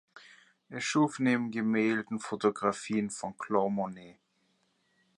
Er schuf neben Gemälden Fotografien von Claude Monet.